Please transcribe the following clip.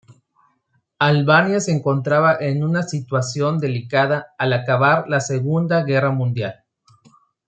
Albania se encontraba en una situación delicada al acabar la Segunda Guerra Mundial.